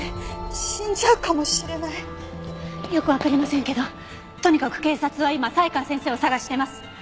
よくわかりませんけどとにかく警察は今才川先生を捜してます。